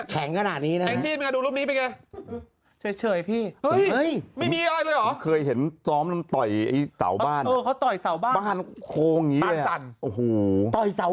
ถ้าไม่ลงนี่กางนี่นะ